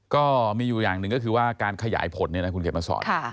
ก็มีอยู่อย่างหนึ่งก็คือว่าการขยายผลเนี่ยนะคุณเขียนมาสอน